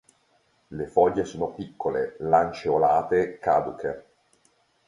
Le foglie sono piccole, lanceolate, caduche.